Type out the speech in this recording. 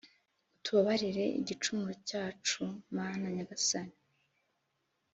utubabarire igicumuro cyacu mana nyagasani